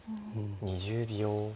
２０秒。